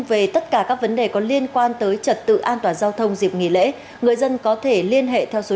vì sao lại chưa muốn đội ạ